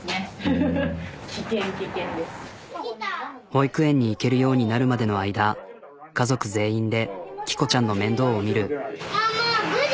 保育園に行けるようになるまでの間家族全員できこちゃんの面倒を見る。